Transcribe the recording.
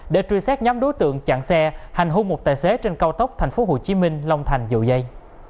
để truy xét nhóm đối tượng chặn xe hành hôn một tài xế trên cao tốc tp hcm long thành dầu dây